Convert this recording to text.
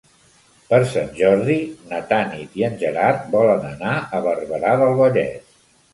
Per Sant Jordi na Tanit i en Gerard volen anar a Barberà del Vallès.